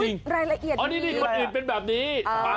อ๋อนี่คนอื่นเป็นแบบนี้